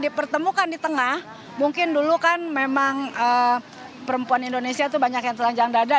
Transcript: dipertemukan di tengah mungkin dulu kan memang perempuan indonesia itu banyak yang telanjang dada